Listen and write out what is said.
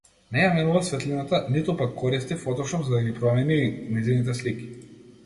Не ја менува светлината, ниту пак користи фотошоп за да ги промени нејзините слики.